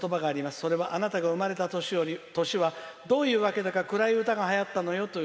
それはあなたが生まれた年はどういうわけだか暗い歌がはやったのよという